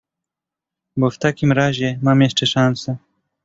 "„Bo w takim razie mam jeszcze szanse“."